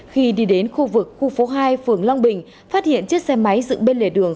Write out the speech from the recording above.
khi đi đến khu vực khu phố hai phường long bình phát hiện chiếc xe máy dựng bên lề đường